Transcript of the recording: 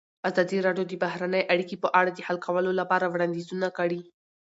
ازادي راډیو د بهرنۍ اړیکې په اړه د حل کولو لپاره وړاندیزونه کړي.